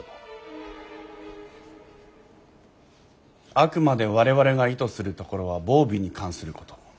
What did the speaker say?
あくまで我々が意図するところは防備に関すること。